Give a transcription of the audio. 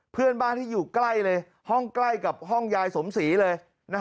เพื่อนบ้านที่อยู่ใกล้เลยห้องใกล้กับห้องยายสมศรีเลย